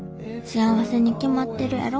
幸せに決まってるやろ。